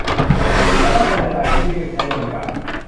แล้วถ้าคนในรายชื่อเรียกใช้บริการ